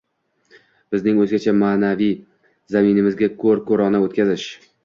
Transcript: bizning o‘zgacha ma’naviy zaminimizga ko‘r-ko‘rona o‘tkazish